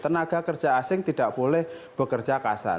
tenaga kerja asing tidak boleh bekerja kasar